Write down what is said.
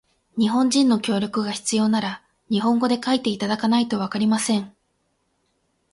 日本人の協力が必要なら、日本語で書いていただかないとわかりません。